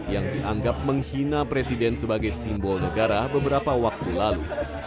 yang dianggap menghina presiden sebagai simbol negara beberapa waktu lalu